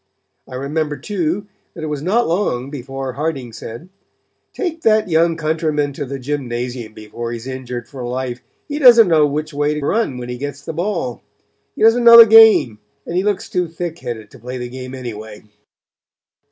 I remember too that it was not long before Harding said: 'Take that young countryman to the gymnasium before he is injured for life; he doesn't know which way to run when he gets the ball; he doesn't know the game; and he looks too thick headed to play the game anyway.'